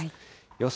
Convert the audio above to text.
予想